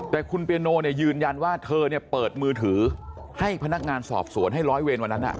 แต่คุณเปียโนเนี่ยยืนยันว่าเธอเนี่ยเปิดมือถือให้พนักงานสอบสวนให้ร้อยเวรวันนั้น